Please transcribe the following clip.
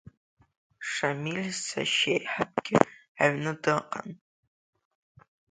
Шамил сашьеиҳабгьы аҩны дыҟан.